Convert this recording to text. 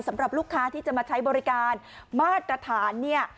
สำหรับลูกค้าที่จะมาใช้บริการมาตรฐานเนี่ย